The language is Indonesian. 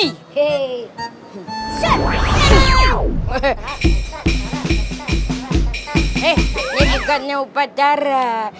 ini bukan obat darah